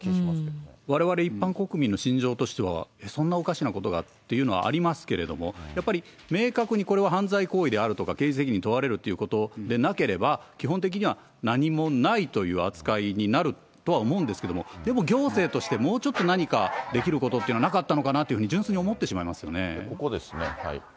われわれ一般国民の心情としては、えっ、そんなおかしなことがっていうのがありますけれども、やっぱり明確に、これは犯罪行為であるとか、経営責任問われるということでなければ、基本的には、何もないという扱いになるとは思うんですけども、でも行政として、もうちょっと何かできることってのはなかったのかなというふうに、そこですね。